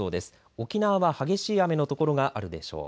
沖縄は激しい雨の所があるでしょう。